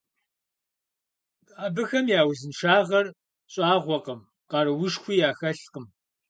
Абыхэм я узыншагъэр щӀагъуэкъым, къаруушхуи яхэлъкъым.